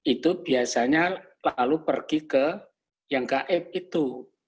itu biasanya lalu pergi ke yang gaib itu